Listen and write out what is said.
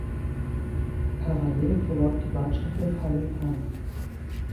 Parallel verläuft die Bahnstrecke Halle–Hann.